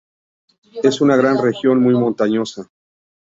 Es una región muy montañosa.